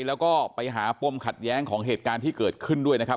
แล้วก็ไปหาปมขัดแย้งของเหตุการณ์ที่เกิดขึ้นด้วยนะครับ